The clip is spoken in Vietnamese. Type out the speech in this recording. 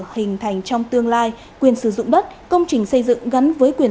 hình thành trong tương lai quyền sử dụng đất công trình xây dựng gắn với quyền